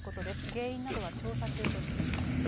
原因などは調査中としています。